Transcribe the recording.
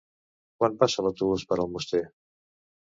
Quan passa l'autobús per Almoster?